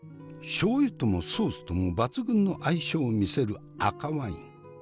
しょう油ともソースとも抜群の相性を見せる赤ワイン。